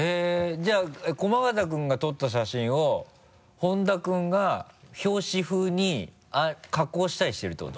じゃあ駒形君が撮った写真を本多君が表紙風に加工したりしてるってこと？